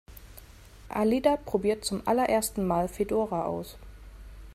Alida probiert zum allerersten Mal Fedora aus.